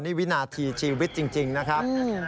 นี่วินาทีชีวิตจริงนะครับ